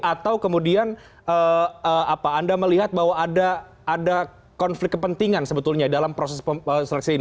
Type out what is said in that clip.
atau kemudian anda melihat bahwa ada konflik kepentingan sebetulnya dalam proses seleksi ini